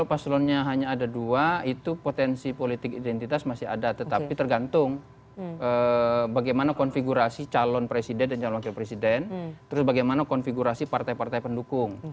kalau paslonnya hanya ada dua itu potensi politik identitas masih ada tetapi tergantung bagaimana konfigurasi calon presiden dan calon wakil presiden terus bagaimana konfigurasi partai partai pendukung